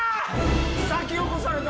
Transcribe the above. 先を越された。